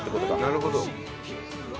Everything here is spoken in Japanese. なるほど。